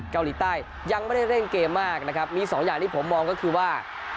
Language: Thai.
เกาหลีใต้ยังไม่ได้เร่งเกมมากนะครับมีสองอย่างที่ผมมองก็คือว่า